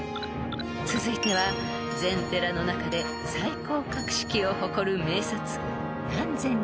［続いては禅寺の中で最高格式を誇る名刹南禅寺へ］